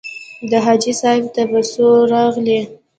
حاجي صاحب ته په څو راغلې.